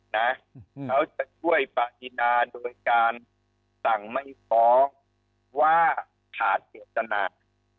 เราจะช่วยปราฏินาโดยการสั่งไม่ฟ้องว่าผ่านเสียสนาน